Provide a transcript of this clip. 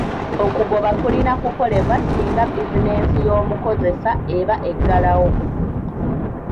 Okugoba kulina kukolebwa singa bizinensi y'omukozesa eba eggalawo.